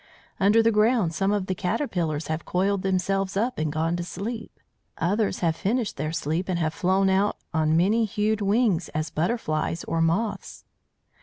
Under the ground some of the caterpillars have coiled themselves up and gone to sleep; others have finished their sleep and have flown out on many hued wings as butterflies or moths.